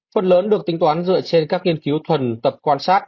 phần lớn được tính toán dựa trên các nghiên cứu thuần tập quan sát